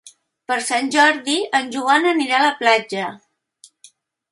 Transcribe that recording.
Per Sant Jordi en Joan anirà a la platja.